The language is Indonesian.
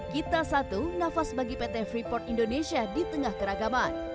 kita satu nafas bagi pt freeport indonesia di tengah keragaman